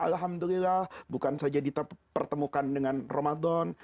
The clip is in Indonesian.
alhamdulillah bukan saja dipertemukan dengan ramadan